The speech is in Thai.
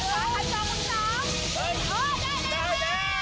ได้แล้ว